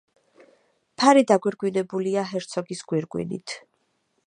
ფარი დაგვირგვინებულია ჰერცოგის გვირგვინით.